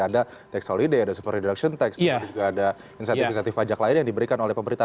ada tax holiday ada super reduction tax kemudian juga ada insentif insentif pajak lain yang diberikan oleh pemerintah